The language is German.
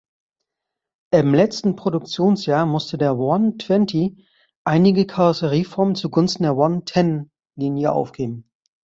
Im letzten Produktionsjahr musste der One-Twenty einige Karosserieformen zugunsten der One-Ten-Linie aufgeben.